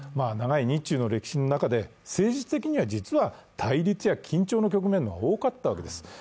長い日中の歴史の中で政治的には実は対立や緊張の局面の方が多かったわけです。